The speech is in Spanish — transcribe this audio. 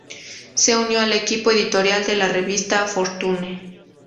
Se unió al equipo editorial de la revista Fortune.